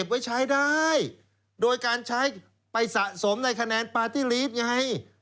ไว้ใช้ได้โดยการใช้ไปสะสมในคะแนนปาร์ตี้ลีฟไง